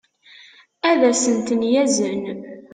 ad as-ten-yazen